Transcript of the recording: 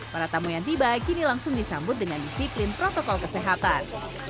para tamu yang tiba kini langsung disambut dengan disiplin protokol kesehatan